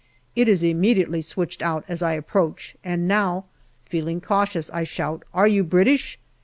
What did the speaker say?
It is immediately switched out as I approach, and now, feeling cautious, I shout, " Are you British